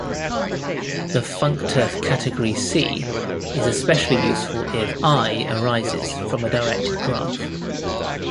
The functor category "C" is especially useful if "I" arises from a directed graph.